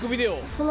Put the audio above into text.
その。